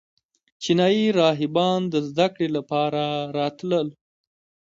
چینایي راهبان د زده کړې لپاره راتلل